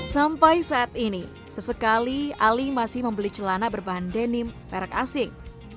sampai saat ini sesekali ali masih membeli celana berbahan denim perak asing